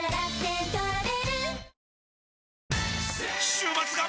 週末が！！